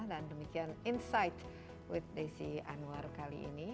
dan demikian insight with desy anwar kali ini